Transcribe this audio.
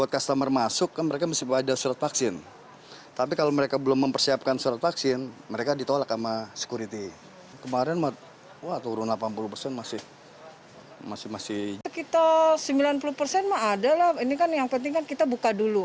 kita sembilan puluh persen adalah ini kan yang penting kita buka dulu